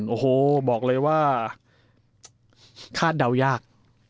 โอ้โหบอกเลยว่าคาดเดายาก